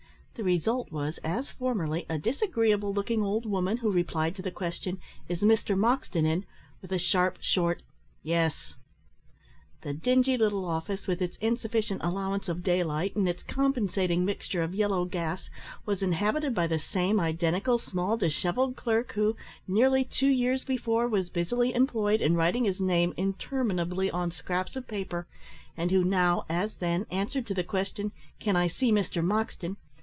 The result was, as formerly, a disagreeable looking old woman, who replied to the question, "Is Mr Moxton in?" with a sharp, short, "Yes." The dingy little office, with its insufficient allowance of daylight, and its compensating mixture of yellow gas, was inhabited by the same identical small dishevelled clerk who, nearly two years before, was busily employed in writing his name interminably on scraps of paper, and who now, as then, answered to the question, "Can I see Mr Moxton?"